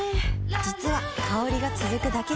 実は香りが続くだけじゃない